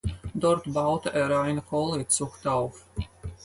Dort baute er eine Collie-Zucht auf.